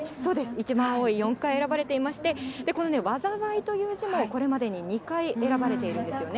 一番多い４回選ばれていまして、この災という字もこれまでに２回選ばれているんですよね。